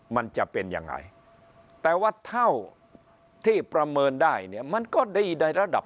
มันจะเป็นยังไงแต่ว่าเท่าที่ประเมินได้เนี่ยมันก็ดีในระดับ